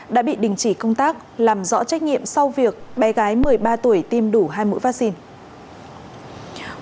đã bị đình chỉ công tác làm rõ trách nhiệm sau việc bé gái một mươi ba tuổi tiêm đủ hai mũi vaccine